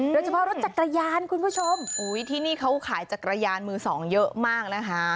โดยเฉพาะรถจักรยานคุณผู้ชมที่นี่เขาขายจักรยานมือสองเยอะมากนะคะ